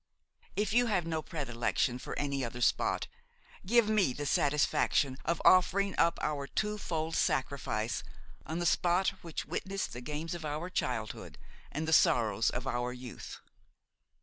If you have no predilection for any other spot, give me the satisfaction of offering up our twofold sacrifice on the spot which witnessed the games of our childhood and the sorrows of our youth."